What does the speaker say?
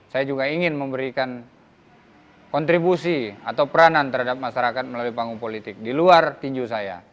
saya juga ingin memberikan kontribusi atau peranan terhadap masyarakat melalui panggung politik di luar tinju saya